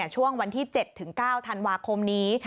ช่วงวันที่๗๙ธันวาคมนี้